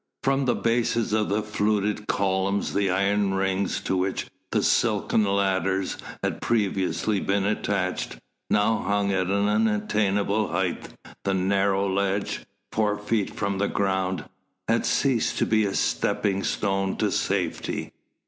From the bases of the fluted columns the iron rings to which the silken ladders had previously been attached, now hung at an unattainable height: the narrow ledge four feet from the ground had ceased to be a stepping stone to safety.